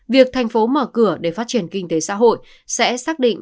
việc thành phố mở cửa để phát triển kinh tế xã hội